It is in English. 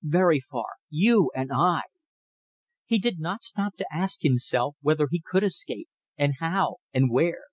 Very far; you and I!" He did not stop to ask himself whether he could escape, and how, and where.